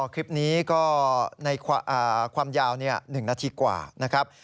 คลิปนี้ก็ในความยาว๑นาทีกว่านะครับ